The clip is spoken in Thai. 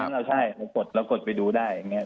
เราใช่ผมกดเรากดไปดูได้อย่างนี้